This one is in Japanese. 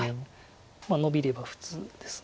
ノビれば普通です。